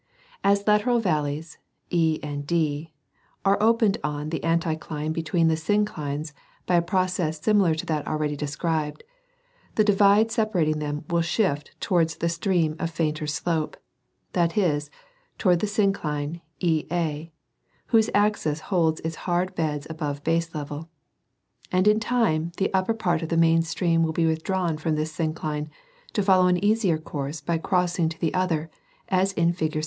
As lateral valleys, E and D, are opened on the anticline between the synclines by a process similar to that already described, the divide separating them will shift towards the stream of fainter slope, that is, towards the syncline, EA, whose axis holds its hard beds above baselevel ; and in time the upper part of the main stream will be withdrawn from this syn cline to follow an easier course by crossing to the other, as in fig.